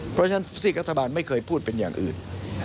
เพราะฉะนั้นซีกรัฐบาลไม่เคยพูดเป็นอย่างอื่น